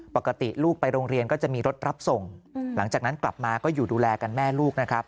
ปกติลูกไปโรงเรียนก็จะมีรถรับส่งหลังจากนั้นกลับมาก็อยู่ดูแลกันแม่ลูกนะครับ